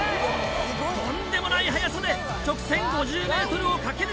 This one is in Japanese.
とんでもない速さで直線５０ｍを駆け抜けます！